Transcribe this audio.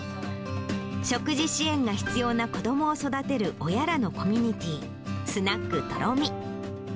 食事支援が必要な子どもを育てる親らのコミュニティー、スナック都ろ美。